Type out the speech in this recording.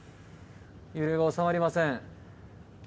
揺れが収まりません。